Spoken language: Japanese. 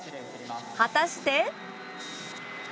果たして。